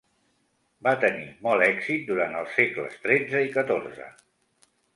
Va tenir molt èxit durant els segles XIII i XIV.